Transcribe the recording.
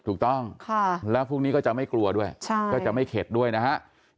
ถูกต้องแล้วพรุ่งนี้ก็จะไม่กลัวด้วยก็จะไม่เข็ดด้วยนะครับ